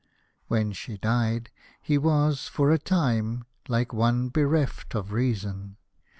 When she died he was, for a time, like one bereft of reason.